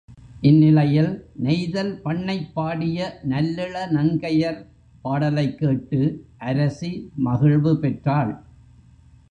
இந்நிலையில் நெய்தல் பண்ணைப் பாடிய நல்லிள நங்கையர் பாடலைக் கேட்டு அரசி மகிழ்வு பெற்றாள்.